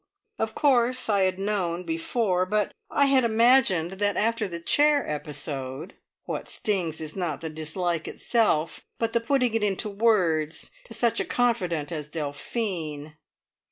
Of course I had known before, but I had imagined that after the chair episode What stings is not the dislike itself, but the putting it into words to such a confidante as Delphine.